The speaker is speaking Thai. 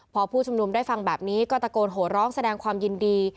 พอผู้ชุมนุมได้ฟังแบบนี้ก็ตะโกนโหร้องแสดงความยินดี